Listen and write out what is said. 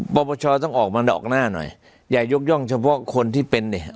ปปชต้องออกมาดอกหน้าหน่อยอย่ายกย่องเฉพาะคนที่เป็นเนี่ย